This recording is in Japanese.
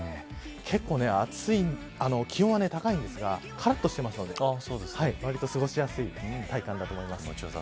結構気温は高いんですがからっとしていますのでわりと過ごしやすい体感だと思います。